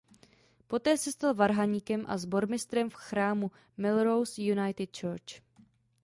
Poté se stal varhaníkem a sbormistrem v chrámu "Melrose United Church".